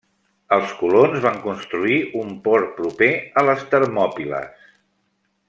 Els colons van construir un port proper a les Termòpiles.